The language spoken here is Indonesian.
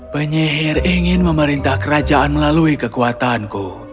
penyihir ingin memerintah kerajaan melalui kekuatanku